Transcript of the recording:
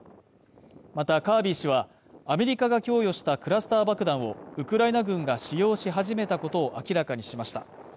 またカービー氏は、アメリカが供与したクラスター爆弾をウクライナ軍が使用し始めたことを明らかにしました。